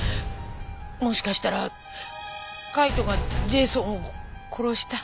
もしかしたら海斗がジェイソンを殺した？